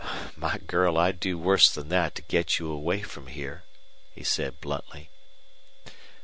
"My girl, I'd do worse than that to get you away from here," he said, bluntly.